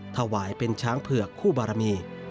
ถวายเป็นช้างเผือกคู่บารมี